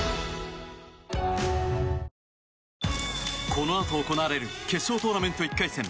このあと行われる決勝トーナメント１回戦。